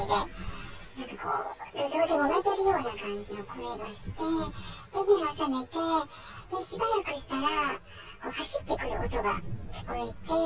大きな声でもめているような感じの声がして、目が覚めて、しばらくしたら、走ってくる音が聞こえて。